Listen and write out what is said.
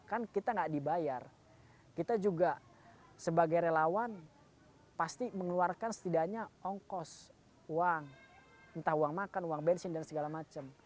kan kita nggak dibayar kita juga sebagai relawan pasti mengeluarkan setidaknya ongkos uang entah uang makan uang bensin dan segala macam